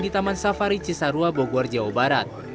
di taman safari cisarua bogor jawa barat